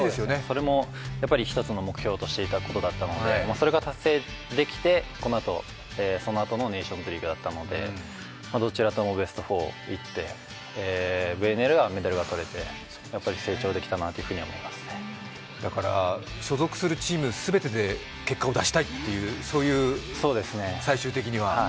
それも１つ目標としていたものだったので、それが達成できて、そのあとのネーションズリーグだったのでどちらともベスト４いってネリグでは銅メダルがとれて所属するチーム全てで結果を出したいという、そういう最終的には。